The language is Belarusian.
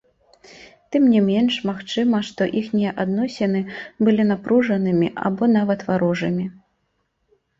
Тым не менш, магчыма, што іхнія адносіны былі напружанымі або нават варожымі.